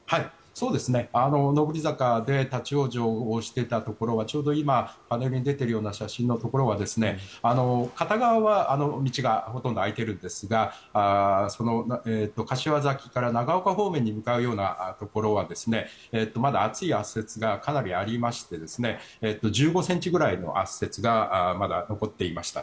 上り坂で立ち往生をしていたところはちょうど今パネルに出ているような写真のところは片側は道がほとんど空いているんですが柏崎から長岡方面に向かうようなところはまだ厚い圧雪がかなりありまして１５ｃｍぐらいの圧雪がまだ残っていました。